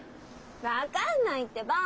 分かんないってば。